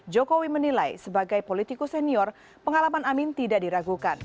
jokowi menilai sebagai politikus senior pengalaman amin tidak diragukan